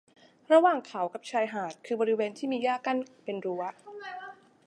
ระหว่างเขากับชายหาดคือบริเวณที่มีหญ้ากั้นเป็นรั้ว